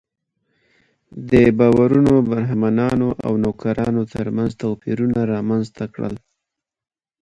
دې باورونو برهمنانو او نوکرانو تر منځ توپیرونه رامنځته کړل.